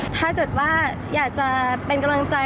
ถ้าเกิดว่าอยากจะเป็นกำลังใจ